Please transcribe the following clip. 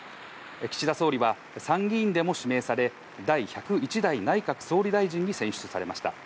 岸田総理は参議院でも指名され、第１０１代内閣総理大臣に選出されました。